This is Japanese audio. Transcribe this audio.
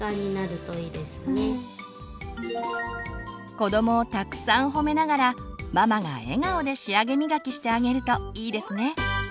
子どもをたくさん褒めながらママが笑顔で仕上げみがきしてあげるといいですね。